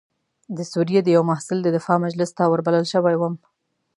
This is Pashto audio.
د سوریې د یوه محصل د دفاع مجلس ته وربلل شوی وم.